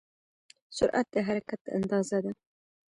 سرعت د حرکت اندازه ده.